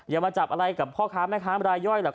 อย่ามาจับอะไรกับพ่อค้าแม่ค้ารายย่อยหรอก